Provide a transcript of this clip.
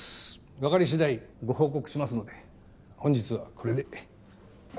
わかりしだいご報告しますので本日はこれで。